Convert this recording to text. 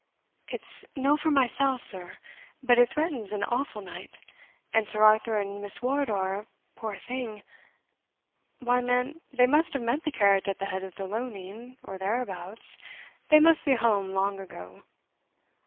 "It's no for mysell, sir; but it threatens an awfu' night; and Sir Arthur, and Miss Wardour, poor thing" "Why, man, they must have met the carriage at the head of the loaning, or thereabouts; they must be home long ago."